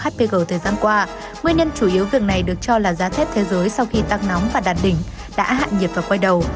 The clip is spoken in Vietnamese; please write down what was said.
tại vì trường hợp hpg thời gian qua nguyên nhân chủ yếu gần này được cho là giá thép thế giới sau khi tăng nóng và đạt đỉnh đã hạn nhiệt và quay đầu